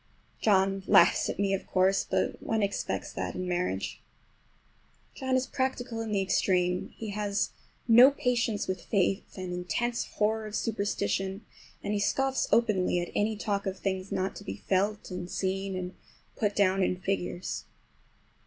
John laughs at me, of course, but one expects that in marriage. John is practical in the extreme. He has no patience with faith, an intense horror of superstition, and he scoffs openly at any talk of things not to be felt and seen and put down in figures.